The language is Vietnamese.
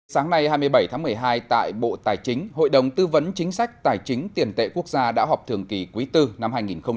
sáng nay hai mươi bảy tháng một mươi hai tại bộ tài chính hội đồng tư vấn chính sách tài chính tiền tệ quốc gia đã họp thường kỳ quý bốn năm hai nghìn hai mươi